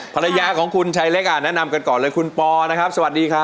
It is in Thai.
ภรรยาของคุณชายเล็กอ่ะแนะนำกันก่อนเลยคุณปอนะครับสวัสดีครับ